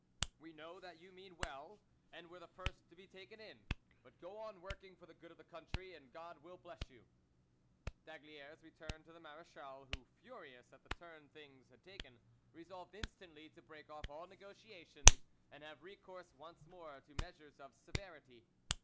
We know that you mean well, and were the first to be taken in. But go on working for the good of the country, and God will bless you.'" D'Aygaliers returned to the marechal, who, furious at the turn things had taken, resolved instantly to break off all negotiations and have recourse once more to measures of severity.